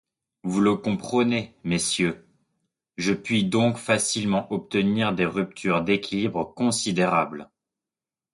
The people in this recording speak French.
Vous le comprenez, messieurs, je puis donc facilement obtenir des ruptures d’équilibre considérables.